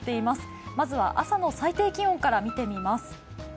まずは朝の最低気温から見てみます。